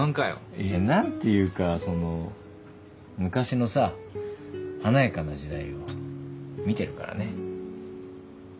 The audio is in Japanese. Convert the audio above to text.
いや何ていうかその昔のさ華やかな時代を見てるからね。